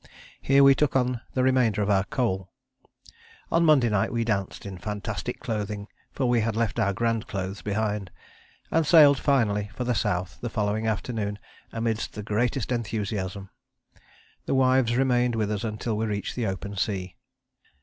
Here we took on the remainder of our coal. On Monday night we danced, in fantastic clothing for we had left our grand clothes behind, and sailed finally for the South the following afternoon amidst the greatest enthusiasm. The wives remained with us until we reached the open sea.